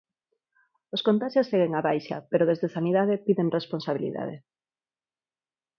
Os contaxios seguen á baixa pero desde Sanidade piden responsabilidade.